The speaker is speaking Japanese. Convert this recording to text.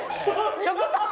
食パン？